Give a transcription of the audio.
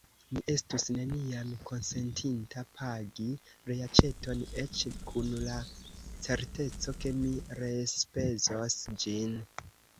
Mi estus neniam konsentinta pagi reaĉeton, eĉ kun la certeco, ke mi reenspezos ĝin.